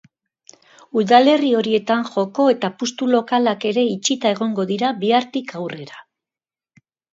Udalerri horietan joko eta apustu-lokalak ere itxita egongo dira bihartik aurrera.